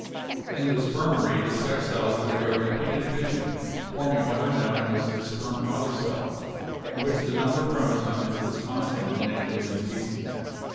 In the spermary the sex cells undergo repeated fission, forming what are known as the sperm mother cells, in which the number of chromosomes is constant in any given species.